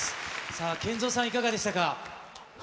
さあ、ＫＥＮＺＯさん、いかがでしたか？